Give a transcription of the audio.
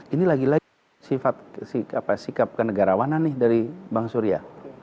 ini lagi lagi sikap kenegarawanan dari bang surya